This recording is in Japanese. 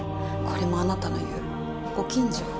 これもあなたの言うご近所？